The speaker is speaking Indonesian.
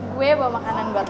gue bawa makanan buat